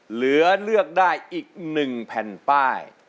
เหลือเลือกได้อีก๑แผ่นป้าย